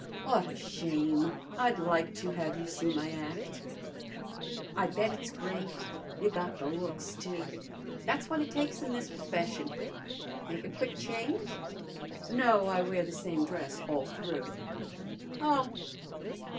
"What a shame! I'd like to have you see my act." "I bet it's great. You got the looks, too. Tha's what it takes in this p'fession. Make a quick change?" "No, I wear the same dress all through." "Oh!